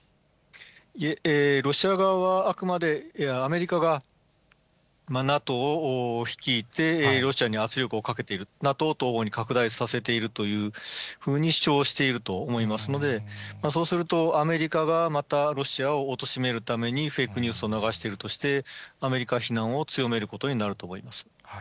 いえ、ロシア側はあくまでアメリカがＮＡＴＯを率いてロシアに圧力をかけている、ＮＡＴＯを東方に拡大させているというふうに主張していると思いますので、そうすると、アメリカがまたロシアをおとしめるために、フェイクニュースを流しているとして、アメリカ非難を強めることになると思います。